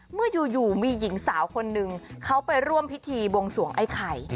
เมื่ออยู่มีหญิงสาวคนนึงเขาไปร่วมพิธีบวงสวงไอ้ไข่